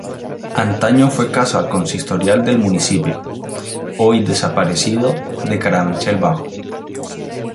Antaño fue casa consistorial del municipio, hoy desaparecido, de Carabanchel Bajo.